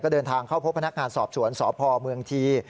เดินทางเข้าพบพนักงานสอบสวนสพเมืองที